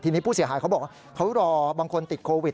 ทีนี้ผู้เสียหายเขาบอกว่าเขารอบางคนติดโควิด